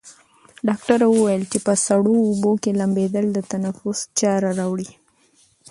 ډاکټره وویل چې په سړو اوبو کې لامبېدل د تنفس چاره راوړي.